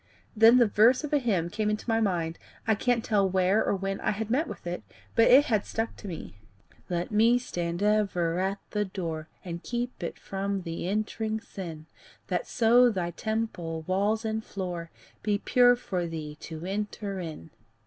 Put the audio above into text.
Then the verse of a hymn came into my mind I can't tell where or when I had met with it, but it had stuck to me: Let me stand ever at the door, And keep it from the entering sin, That so thy temple, walls and floor, Be pure for thee to enter in.